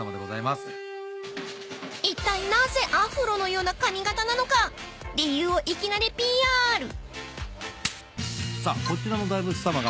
［いったいなぜアフロのような髪形なのか理由を］さあ。